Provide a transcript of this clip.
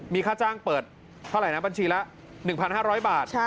มีค่าจ้างเปิดเท่าไหร่นะบัญชีละ๑๕๐๐บาท